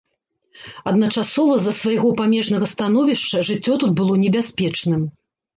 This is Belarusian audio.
Адначасова, з-за свайго памежнага становішча жыццё тут было небяспечным.